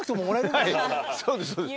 そうですそうです。